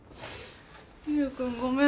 優君ごめん。